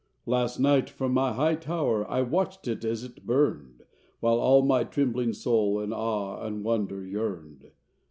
“Last night from my high tower I watched it as it burned, While all my trembling soul In awe and wonder yearned.